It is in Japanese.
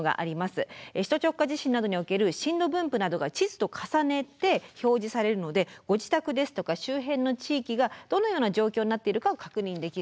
首都直下地震などにおける震度分布などが地図と重ねて表示されるのでご自宅ですとか周辺の地域がどのような状況になっているかを確認できるんですね。